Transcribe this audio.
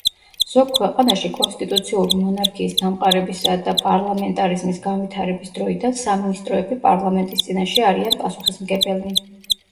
ზოგ ქვეყანაში კონსტიტუციური მონარქიის დამყარებისა და პარლამენტარიზმის განვითარების დროიდან სამინისტროები პარლამენტის წინაშე არიან პასუხისმგებელნი.